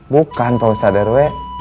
bukan pak ustadz rw